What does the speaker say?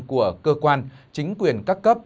của cơ quan chính quyền các cấp